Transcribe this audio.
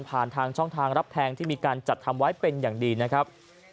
ทางช่องทางรับแทงที่มีการจัดทำไว้เป็นอย่างดีนะครับ